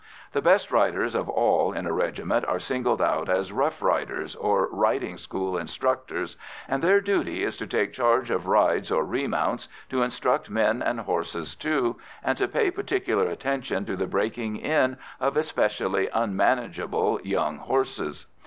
The best riders of all in a regiment are singled out as "rough riders" or riding school instructors, and their duty is to take charge of rides of remounts, to instruct men and horses too, and to pay particular attention to the breaking in of especially unmanageable young horses.